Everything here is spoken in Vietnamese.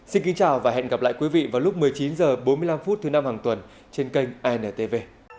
xin kính chào và hẹn gặp lại quý vị vào lúc một mươi chín h bốn mươi năm thứ năm hàng tuần trên kênh intv